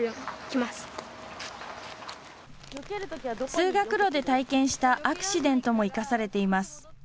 通学路で体験したアクシデントも生かされています。